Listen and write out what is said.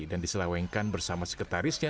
dan diselawengkan bersama sekretarisnya